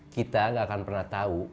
kita gak akan pernah tahu